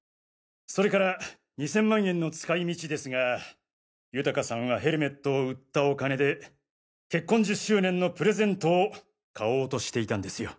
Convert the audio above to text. それから２０００万円の使い道ですが豊さんはヘルメットを売ったお金で結婚１０周年のプレゼントを買おうとしていたんですよ。